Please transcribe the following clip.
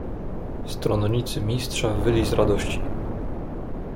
"Stronnicy Mistrza wyli z radości."